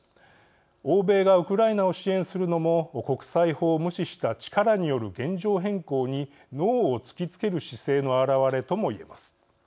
欧米がウクライナを支援するのも国際法を無視した力による現状変更にノーを突きつける姿勢の表れとも言えます。